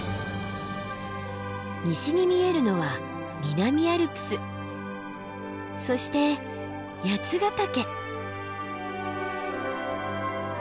西に見えるのは南アルプスそして八ヶ岳。